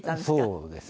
そうですね。